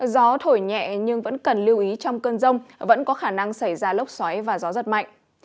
gió thổi nhẹ nhưng vẫn cần lưu ý trong cơn rông vẫn có khả năng xảy ra lốc xoáy và gió giật mạnh